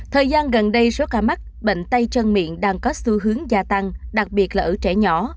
thời gian gần đây số ca mắc bệnh tay chân miệng đang có xu hướng gia tăng đặc biệt là ở trẻ nhỏ